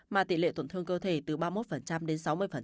mà tỷ lệ tổn thương cơ thể từ ba mươi một đến sáu mươi